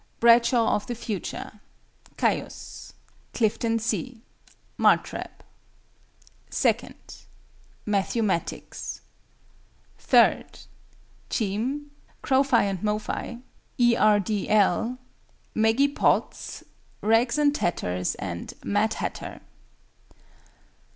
BRADSHAW OF THE FUTURE CAIUS. CLIFTON C. MARTREB. II. MATTHEW MATTICKS. III. CHEAM. CROPHI AND MOPHI. E. R. D. L. MEGGY POTTS. {RAGS AND TATTERS. {MAD HATTER.